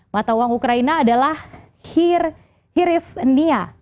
mata uang ukraina adalah hirifnia